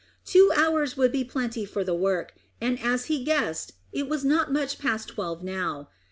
Two hours would be plenty for the work, and as he guessed it was not much past twelve now.